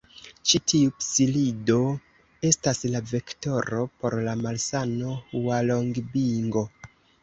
Ĉi tiu psilido estas la vektoro por la malsano Hualongbingo.